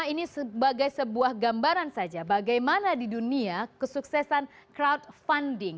ini sebagai sebuah gambaran saja bagaimana di dunia kesuksesan crowdfunding